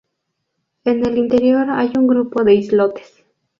En el interior hay un grupo de islotes.